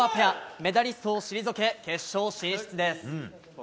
メダリストを退け、決勝進出です。